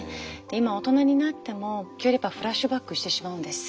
今大人になっても急にフラッシュバックしてしまうんです。